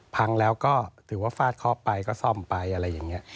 พังแล้วก็ถือว่าฟาดเคาะไปก็ซ่อมไปอะไรอย่างนี้